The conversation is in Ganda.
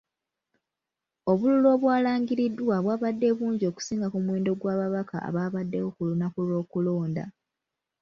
Obululu obwalangiriddwa bwabadde bungi okusinga ku muwendo gw’ababaka ababaddewo ku lunaku lw’okulonda .